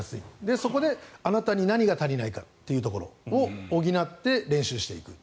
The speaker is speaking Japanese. そこであなたに何が足りないかを補って練習していく。